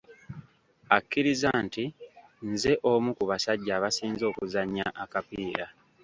Akkiriza nti nze omu ku basajja abasinze okuzannya akapiira.